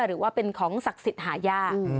หรือว่าเป็นของศักดิ์สิทธิ์หายาก